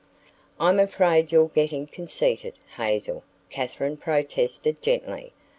"I'm afraid you're getting conceited, Hazel," Katherine protested gently.